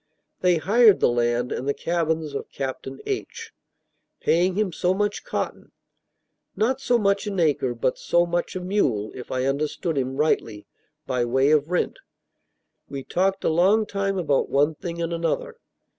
They hired the land and the cabins of Captain H., paying him so much cotton (not so much an acre, but so much a mule, if I understood him rightly) by way of rent. We talked a long time about one thing and another.